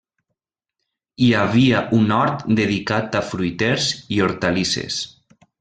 Hi havia un hort dedicat a fruiters i hortalisses.